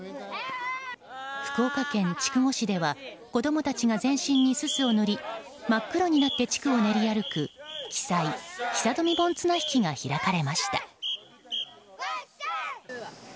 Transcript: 福岡県筑後市では子供たちが全身にすすを塗り真っ黒になって地区を練り歩く奇祭が行われました。